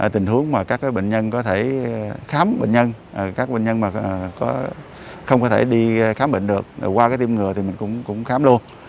tình huống mà các bệnh nhân có thể khám bệnh nhân các bệnh nhân mà không có thể đi khám bệnh được qua tiêm ngừa thì mình cũng khám luôn